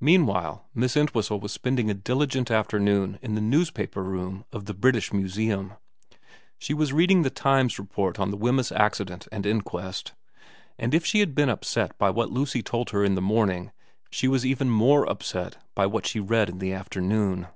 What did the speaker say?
Meanwhile Miss Entwhistle was spending a diligent afternoon in the newspaper room of the British Museum. 94 VERA i* She was reading The Times report of the Wemyss accident and inquest ; and if she had been upset by what Lucy told her in the morning she was even more upset by what she read in the afternoon.